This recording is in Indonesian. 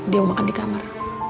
dia makan di kamar